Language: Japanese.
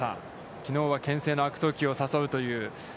きのうは牽制の悪送球を誘うという。